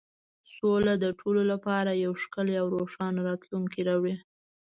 سوله د ټولو لپاره یو ښکلی او روښانه راتلونکی راوړي.